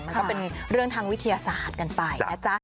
มันก็เป็นเรื่องทางวิทยาศาสตร์กันไปนะจ๊ะ